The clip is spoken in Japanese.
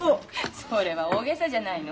それは大げさじゃないの？